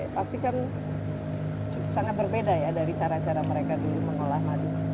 pasti kan sangat berbeda ya dari cara cara mereka dulu mengolah madu